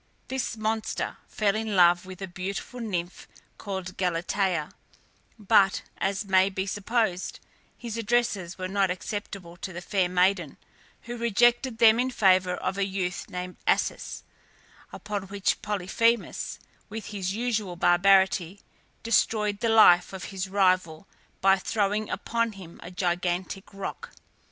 This monster fell in love with a beautiful nymph called Galatea; but, as may be supposed, his addresses were not acceptable to the fair maiden, who rejected them in favour of a youth named Acis, upon which Polyphemus, with his usual barbarity, destroyed the life of his rival by throwing upon him a gigantic rock.